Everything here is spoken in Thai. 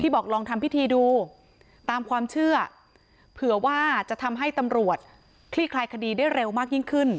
บอกลองทำพิธีดูตามความเชื่อเผื่อว่าจะทำให้ตำรวจคลี่คลายคดีได้เร็วมากยิ่งขึ้น